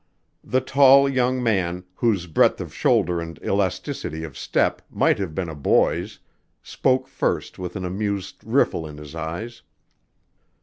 The tall, young man, whose breadth of shoulder and elasticity of step might have been a boy's, spoke first with an amused riffle in his eyes.